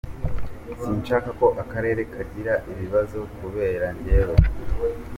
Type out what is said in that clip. Sinshaka ko akarere kagira ibibazo kubera njyewe.”